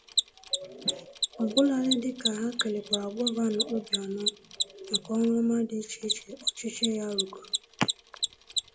ọbụladị dịka ha kèlèkwàrà Gọvanọ Obianọ maka ọrụ ọma dị iche iche ọchịchị ya rụgoro